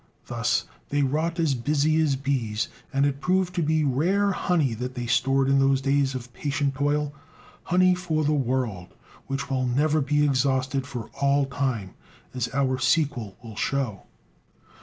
Thus they wrought as busy as bees, and it proved to be rare honey that they stored in those days of patient toil, honey for the world, which will never be exhausted for all time, as our sequel will show.